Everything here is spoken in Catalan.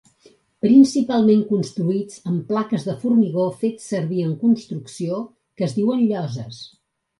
Principalment construïts amb plaques de formigó fets servir en construcció, que es diuen lloses.